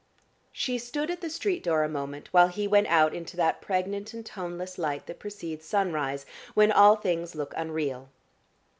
She stood at the street door a moment, while he went out into that pregnant and toneless light that precedes sunrise, when all things look unreal.